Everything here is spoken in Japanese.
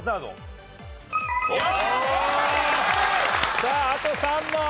さああと３問。